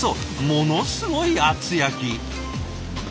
ものすごい厚焼き。